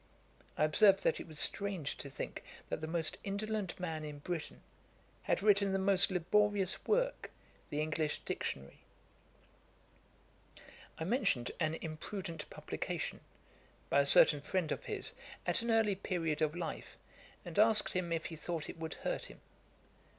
I observed, that it was strange to think that the most indolent man in Britain had written the most laborious work, The English Dictionary. I mentioned an imprudent publication, by a certain friend of his, at an early period of life, and asked him if he thought it would hurt him.